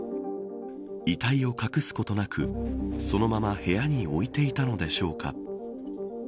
遺体を隠すことなくそのまま部屋に置いていたのでしょうか。